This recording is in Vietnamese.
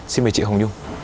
xin mời chị hồng nhung